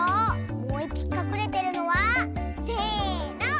もういっぴきかくれてるのはせの！